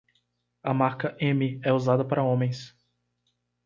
A marca M é usada para homens.